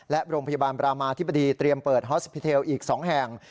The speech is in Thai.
และโรงพยาบาลบรามาธิบดีเตรียมเปิดฮอสพิเทลอีก๒แห่ง